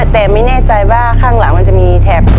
แต่ไม่แน่ใจว่าข้างหลังมันจะมีแถบ